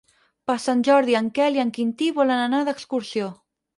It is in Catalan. Per Sant Jordi en Quel i en Quintí volen anar d'excursió.